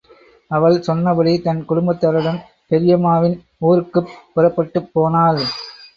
அவள் சொன்னபடி தன் குடும்பத்தாருடன் பெரியம்மாவின் ஊருக்குப் புறப்பட்டுப் போனாள்.